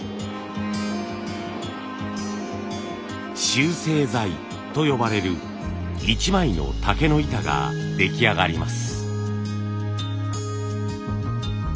集成材と呼ばれる一枚の竹の板が出来上がります。